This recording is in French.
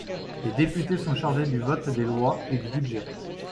Les députés sont chargés du vote des lois et du budget.